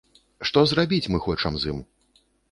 Што зрабіць мы хочам з ім.